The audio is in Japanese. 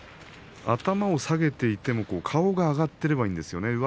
頭を下げていっても顔が上がっていけばいいんですね